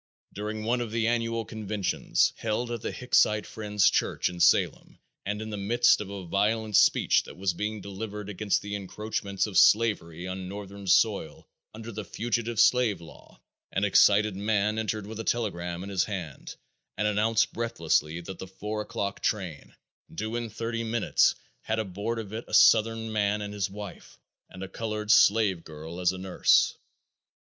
During one of the annual conventions held at the Hicksite Friends' church in Salem and in the midst of a violent speech that was being delivered against the encroachments of slavery on Northern soil under the fugitive slave law, an excited man entered with a telegram in his hand and announced breathlessly that the four o'clock train, due in thirty minutes, had aboard of it a southern man and his wife and a colored slave girl as a nurse.